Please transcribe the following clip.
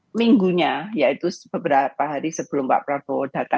saya pikir minggunya yaitu beberapa hari sebelum mbak prasetya berkata